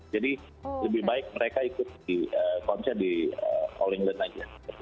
jadi lebih baik mereka ikut di konser di all england aja